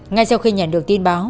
ngay sau khi nhận được tin báo